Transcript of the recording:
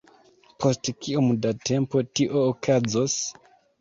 Post kiom da tempo tio okazos?